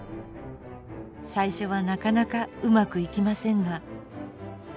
最初はなかなかうまくいきませんが。